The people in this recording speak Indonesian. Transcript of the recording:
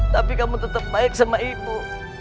tapi kamu tetap baik sama ibu